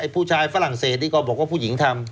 ผู้ชายฝรั่งเศสนี่ก็บอกว่าผู้หญิงทำ